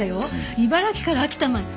茨城から秋田まで。